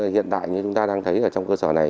hiện tại như chúng ta đang thấy ở trong cơ sở này